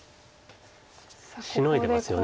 シノいでますよね。